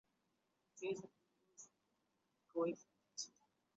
於是就没有摘